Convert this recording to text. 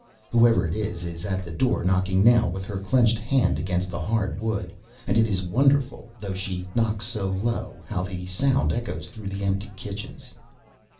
Whoever it is at the door is knocking now with her clenched hand against the hard wood, and it is wonderful, though she knocks so low, how the sound echoes through the empty kitchens.